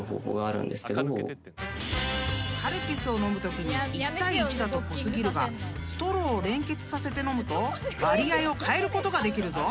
［カルピスを飲むときに１対１だと濃過ぎるがストローを連結させて飲むと割合を変えることができるぞ！］